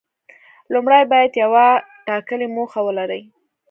لومړی باید یوه ټاکلې موخه ولري.